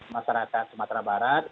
masyarakat sumatera barat